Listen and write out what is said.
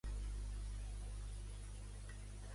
Hi ha un lector que té molt mala qualitat de so